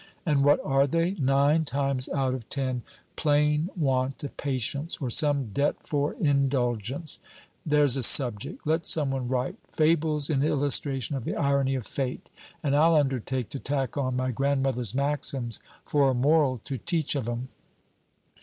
And what are they? nine times out of ten, plain want of patience, or some debt for indulgence. There's a subject: let some one write, Fables in illustration of the irony of Fate: and I'll undertake to tack on my grandmother's maxims for a moral to teach of 'em.